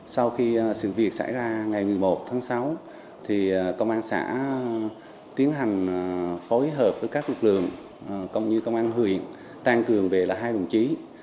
sau khi sự việc xảy ra ngày một mươi một tháng sáu công an xã tiến hành phối hợp với các lực lượng cũng như công an huyện tăng cường về hai đồng chí